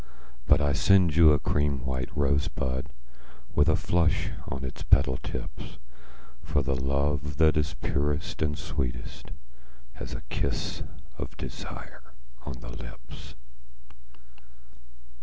But I send you a cream white rosebud 5 With a flush on its petal tips; For the love that is purest and sweetest Has a kiss of desire on the lips.